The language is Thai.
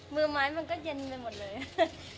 มือไม้มันก็เย็นไปหมดเลย